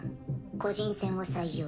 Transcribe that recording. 個人戦を採用。